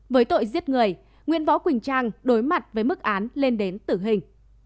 với tội giết người nguyên võ quỳnh trang đối mặt với mức án lên đến tử hình